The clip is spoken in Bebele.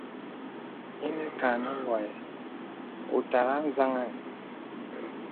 Inə kâ nə wə wɔ̄ è ùtàghà anzaŋɛ̂.